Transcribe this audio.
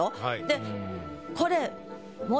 でこれ。